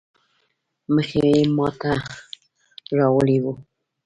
مخ يې ما ته رااړولی وو.